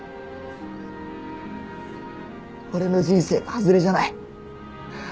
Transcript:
俺の人生が外れじゃない